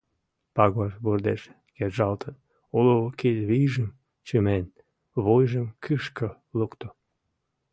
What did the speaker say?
Пагор вурдеш кержалтын, уло кид вийжым чымен, вуйжым кӱшкӧ лукто.